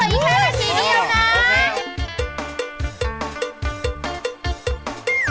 เดี๋ยวยิ่งแค่นาทีเดียวนะ